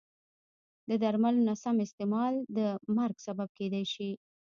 د درملو نه سم استعمال د مرګ سبب کېدای شي.